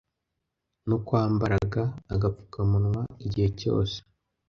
no kwambaraga agapfukamunwa igihe cyose